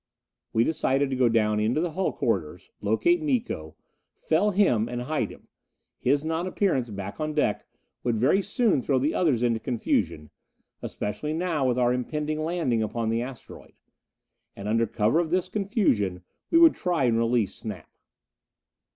We decided to go down into the hull corridors. Locate Miko. Fell him, and hide him. His non appearance back on deck would very soon throw the others into confusion, especially now with our impending landing upon the asteroid. And under cover of this confusion we would try and release Snap.